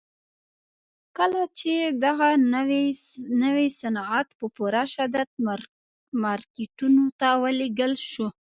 کله چې دغه نوي صنعت په پوره شدت مارکيټونو ته ولېږل شو.